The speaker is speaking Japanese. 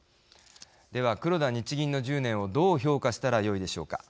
では、黒田日銀の１０年をどう評価したらよいでしょうか。